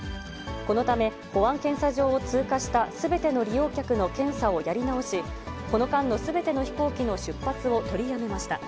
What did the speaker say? このため、保安検査場を通過したすべての利用客の検査をやり直し、この間のすべての飛行機の出発を取りやめました。